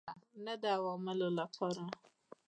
نه د عوامو لپاره.